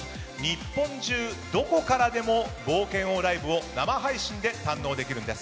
日本中どこからでも冒険王ライブを生配信で堪能できるんです。